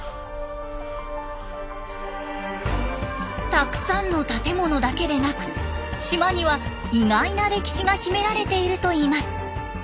たくさんの建物だけでなく島には意外な歴史が秘められているといいます。